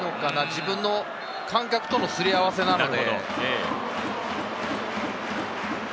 自分の感覚とのすり合わせなので。